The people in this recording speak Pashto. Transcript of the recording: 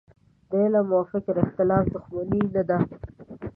د علم او فکر اختلاف دوښمني نه ده.